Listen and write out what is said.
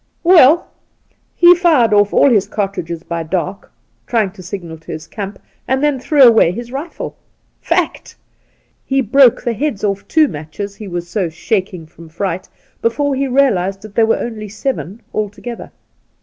' Well, he fired off all his cartridges by dark, trying to signal to his camp, and then threw away his rifle. Fact ! He broke the heads off two matches — he was shaking so from fright — ^before he realized that there were only seven altogether.